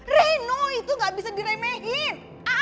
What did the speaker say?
reno itu gak bisa diremehin